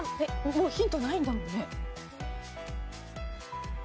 もうヒントないんだもんね。